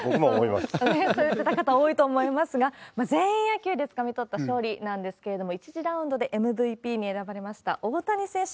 そういう方々多いと思いますが、全員野球でつかみとった勝利なんですけれども、１次ラウンドでＭＶＰに選ばれました大谷選手。